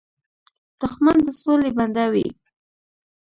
دښمن د سولې بنده وي